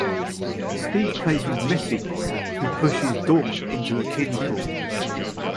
Steve plays with Missy, who pushes Dawn into a kiddie pool.